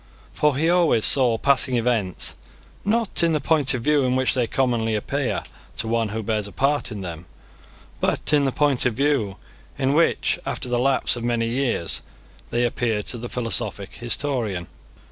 For he always saw passing events, not in the point of view in which they commonly appear to one who bears a part in them, but in the point of view in which, after the lapse of many years, they appear to the philosophic historian.